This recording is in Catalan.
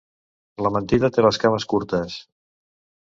La mentida té les cames curtes.